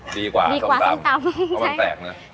ดีกว่าส้มตำเพราะมันแตกนะ